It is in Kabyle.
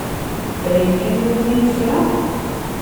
D ayen kan iwumi nesra?